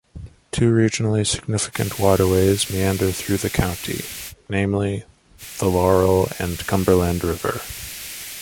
Two regionally significant waterways meander through the county, namely the Laurel and Cumberland river.